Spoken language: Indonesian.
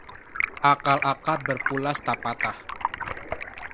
Akal akar berpulas tak patah